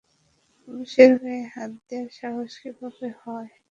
পুলিশের গায়ে হাত দেওয়ার সাহস কীভাবে হয়!